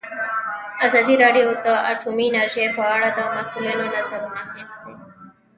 ازادي راډیو د اټومي انرژي په اړه د مسؤلینو نظرونه اخیستي.